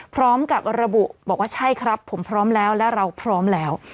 พร้อมกับระบุบอกว่าใช่ครับผมพร้อมแล้วและเราพร้อมแล้ว